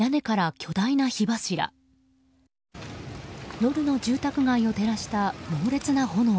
夜の住宅街を照らした猛烈な炎。